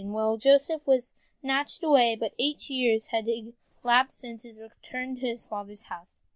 When Joseph was snatched away, but eight years had elapsed since his return to his father's house.